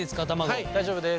はい大丈夫です。